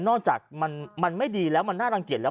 นอกจากมันไม่ดีแล้วมันน่ารังเกียจแล้ว